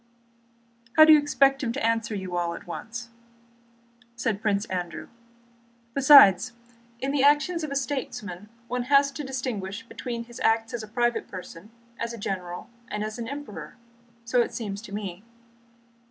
"How do you expect him to answer you all at once?" said Prince Andrew. "Besides, in the actions of a statesman one has to distinguish between his acts as a private person, as a general, and as an emperor. So it seems to me."